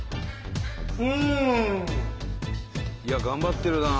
うん！いや頑張ってるなあ。